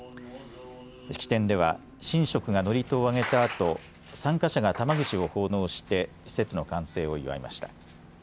式典では、神職が祝詞をあげたあと、参加者が玉串を奉納して、施設の完成を祝いました。